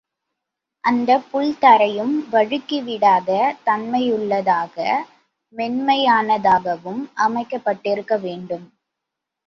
அந்தப் புல் தரையும் வழுக்கி விடாத தன்மையுள்ளதாக, மென்மையானதாகவும் அமைக்கப்பட்டிருக்க வேண்டும்.